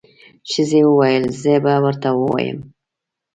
ښځې وويل زه به ورته ووایم.